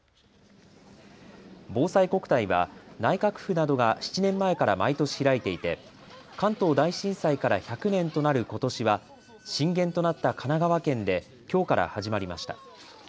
ぼうさいこくたいは内閣府などが７年前から毎年開いていて、関東大震災から１００年となることしは震源となった神奈川県できょうから始まりました。